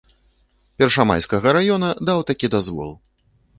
Першамайскага раёна даў такі дазвол.